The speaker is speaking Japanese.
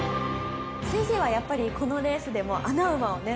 先生はやっぱりこのレースでも穴馬を狙うんですか？